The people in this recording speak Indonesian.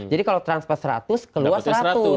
jadi kalau transfer seratus keluar seratus